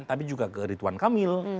tapi juga ke rituan kamil